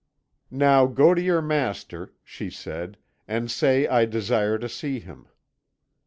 "'Now go to your master,' she said, 'and say I desire to see him.'